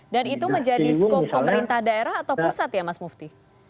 dan itu menjadi skop pemerintah daerah atau pusat ya mas mufti